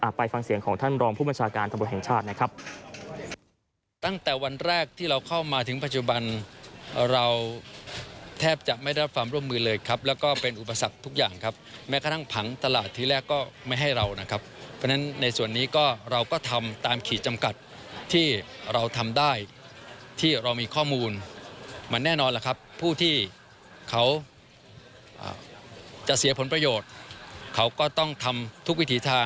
อาปรายฟังเสียงของท่านรองผู้ประชาการกระบวนแห่งชาตินะครับ